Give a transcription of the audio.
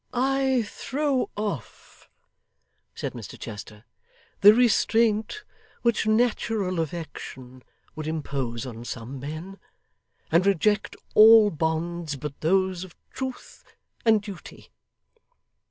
'I throw off,' said Mr Chester, 'the restraint which natural affection would impose on some men, and reject all bonds but those of truth and duty.